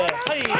はい！